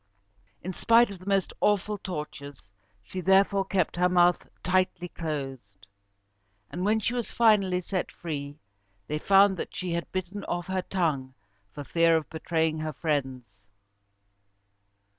In spite of the most awful tortures, she therefore kept her mouth tightly closed; and when she was finally set free, they found that she had bitten off her tongue for fear of betraying her friends.